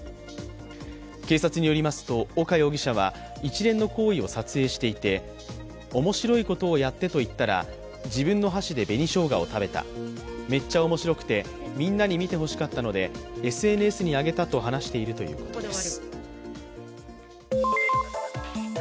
警察によりますと、岡容疑者は一連の行為を撮影していて面白いことをやってと言ったら自分の箸で紅しょうがを食べた、めっちゃ面白くてみんなに見てほしかったのでＳＮＳに上げたと話しているということです。